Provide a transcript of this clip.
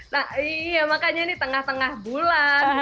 nah iya makanya ini tengah tengah bulan